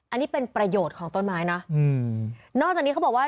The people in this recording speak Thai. อันนี้เป็นประโยชน์ของต้นไม้นะอืมนอกจากนี้เขาบอกว่า